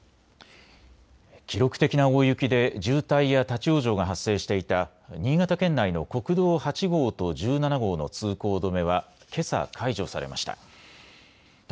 記録的な大雪で渋滞や立往生が発生していた新潟県内の国道８号と１７号の通行止めはけさ解除されました。